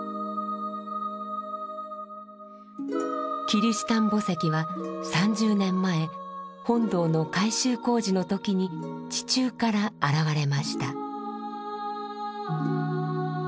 キリシタン墓石は３０年前本堂の改修工事のときに地中から現れました。